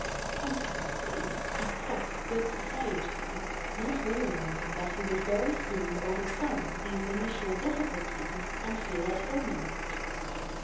Consequently he cuts good society, not realising that he would very soon overcome these initial difficulties and feel at home in it.